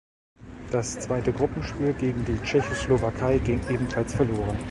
Das zweite Gruppenspiel gegen die Tschechoslowakei ging ebenfalls verloren.